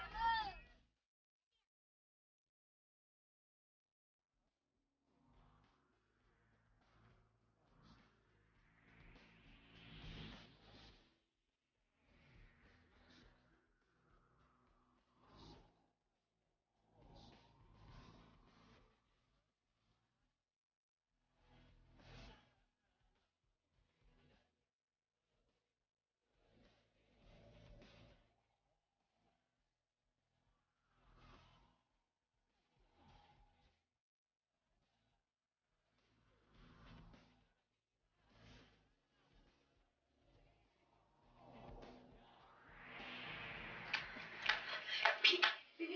kalau lihat dulu